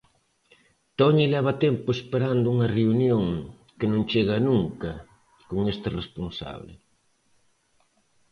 Toñi leva tempo esperando unha reunión, que non chega nunca, con este responsable.